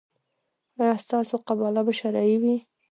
ایا ستاسو قباله به شرعي وي؟